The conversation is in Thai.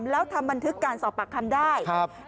แล้วทำบันทึกการสอบปากคำได้ครับ